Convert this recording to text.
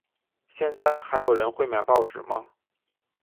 现在还有人会买报纸吗？